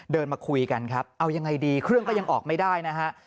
มาคุยกันครับเอายังไงดีเครื่องก็ยังออกไม่ได้นะฮะ